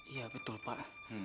iya betul pak